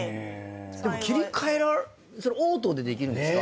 でも切り替えオートでできるんですか？